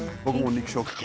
肉食系。